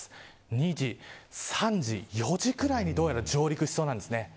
２時、３時、４時ぐらいにどうやら上陸しそうなんですね。